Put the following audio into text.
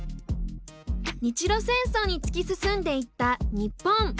日露戦争に突き進んでいった日本。